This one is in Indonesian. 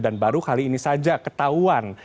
dan baru kali ini saja ketahuan